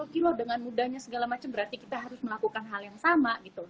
delapan puluh kilo dengan mudanya segala macam berarti kita harus melakukan hal yang sama